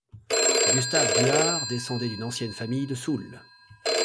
Gustave d’Uhart descendait d’une ancienne famille de Soule.